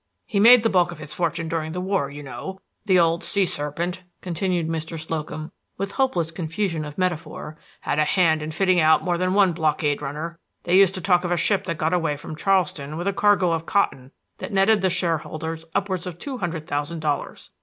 He made the bulk of his fortune during the war, you know. The old sea serpent," continued Mr. Slocum, with hopeless confusion of metaphor, "had a hand in fitting out more than one blockade runner. They used to talk of a ship that got away from Charleston with a cargo of cotton that netted the share holders upwards of two hundred thousand dollars.